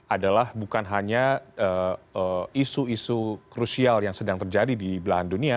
adalah bukan hanya isu isu krusial yang sedang terjadi di belahan dunia